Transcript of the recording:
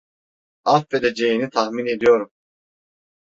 Affedeceğini tahmin ediyorum.